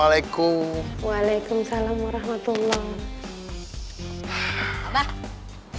waalaikumsalam warahmatullahi wabarakatuh